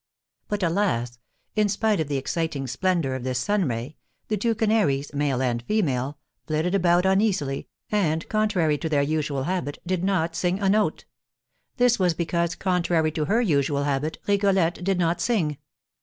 But, alas! in spite of the exciting splendour of this sun ray, the two canaries (male and female) flitted about uneasily, and, contrary to their usual habit, did not sing a note. This was because, contrary to her usual habit, Rigolette did not sing.